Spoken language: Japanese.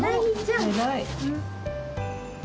・偉い！